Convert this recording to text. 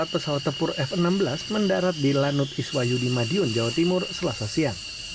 empat pesawat tempur f enam belas mendarat di lanut iswayu di madiun jawa timur selasa siang